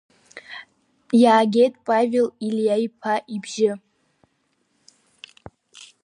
Иаагеит Павел Илиа-иԥа ибжьы.